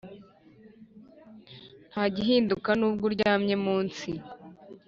nta gihinduka nubwo uryamye munsi